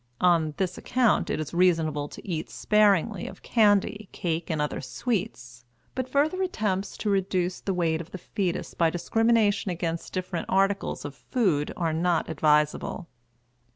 On this account it is reasonable to eat sparingly of candy, cake, and other sweets; but further attempts to reduce the weight of the fetus by discrimination against different articles of food are not advisable.